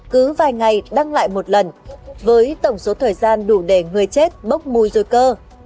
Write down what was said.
cứ vài ngày đăng lại một lần với tổng số thời gian đủ để người chết bốc mùi dồi cơ